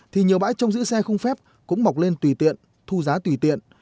thì nhiều bãi trong giữ xe không phép cũng mọc lên tùy tiện thu giá tùy tiện